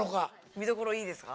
見どころいいですか？